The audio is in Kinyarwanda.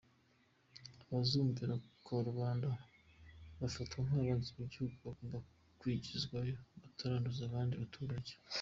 Abazumvira ku karubanda bafatwa nk’abanzi b’igihugu bagomba kwigizwayo bataranduza abandi baturage.”